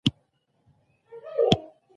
د واکمنې طبقې انحصاري واک یې له خطر سره مخ کاوه.